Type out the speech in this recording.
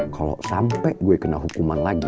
kalo sampe gue kena hukuman lagi